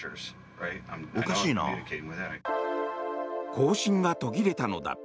交信が途切れたのだ。